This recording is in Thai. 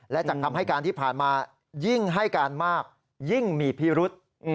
และจากคำให้การที่ผ่านมายิ่งให้การมากยิ่งมีพิรุษ